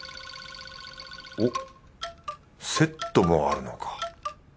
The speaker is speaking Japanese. おっセットもあるのか